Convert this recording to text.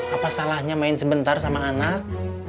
apa salahnya main sebentar sama anak